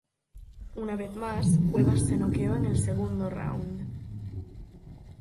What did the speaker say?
Una vez más, Cuevas se noqueó en el segundo round.